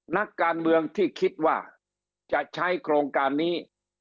นักการเมืองที่คิดว่าจะใช้โครงการนี้